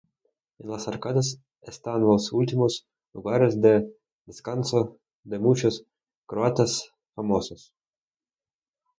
En las arcadas están los últimos lugares de descanso de muchos croatas famosos.